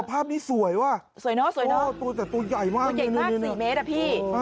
ตัวใหญ่มาก๔เมตร